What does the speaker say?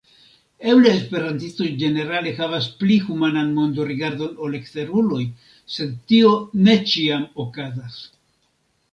Eble esperantistoj ĝenerale havas pli humanan mondorigardon ol eksteruloj, sed tio ne ĉiam okazas.